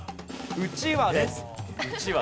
「うちわ」です。